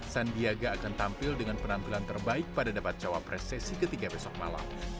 sandiaga akan tampil dengan penampilan terbaik pada debat cawa pres sesi ketiga besok malam